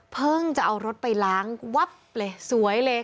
จะเอารถไปล้างวับเลยสวยเลย